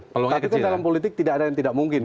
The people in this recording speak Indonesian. tapi kan dalam politik tidak ada yang tidak mungkin